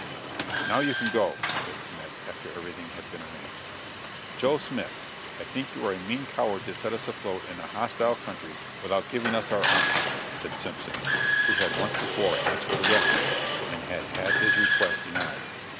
"Now you can go," said Smith, after everything had been arranged. "Joe Smith, I think you are a mean coward to set us afloat in a hostile country, without giving us our arms," said Simpson, who had once before asked for the weapons, and had had his request denied.